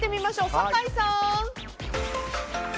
酒井さん！